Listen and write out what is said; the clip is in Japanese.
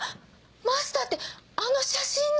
マスターってあの写真の。